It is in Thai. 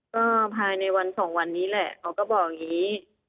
ก็ภายในวันสองวันนี้แหละเขาก็บอกอย่างนี้